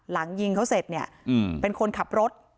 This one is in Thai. หลังยิงเขาเสร็จเนี่ยเป็นคนขับรถ